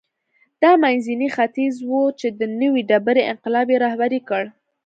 دا منځنی ختیځ و چې د نوې ډبرې انقلاب یې رهبري کړ.